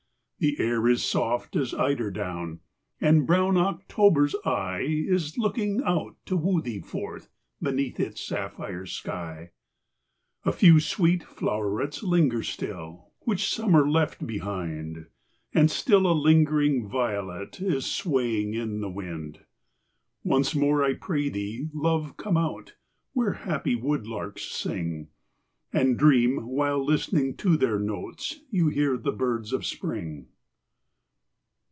The air is soft as eider down ; And brown October's eye Is looking out to woo thee forth Beneath its sapphire sky. AN AUTUMN INVITATION. 115 A few sweet flow'rets linger still, Which Summer left behind ; And still a lingering violet Is swaying in the wind. Once more, I pray thee, love, come out, Where happy woodlarks sing, And dream, while listening to their notes, You hear the birds of Spring.